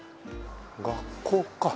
学校か。